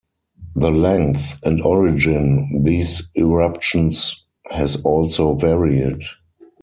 The length and origin these eruptions has also varied.